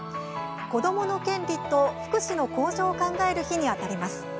子どもの権利と福祉の向上を考える日にあたります。